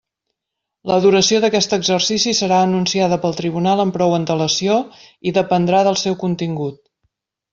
La duració d'aquest exercici serà anunciada pel tribunal amb prou antelació i dependrà del seu contingut.